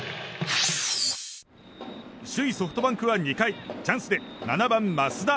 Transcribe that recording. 首位ソフトバンクは２回チャンスで７番、増田。